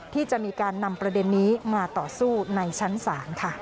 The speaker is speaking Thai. ที่จะมีการนำประเด็นนี้มาต่อสู้ในชั้นศาลค่ะ